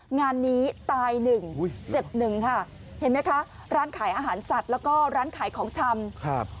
งานนี้ตายหนึ่งเจ็บหนึ่งค่ะเห็นไหมคะร้านขายอาหารสัตว์แล้วก็ร้านขายของชำครับ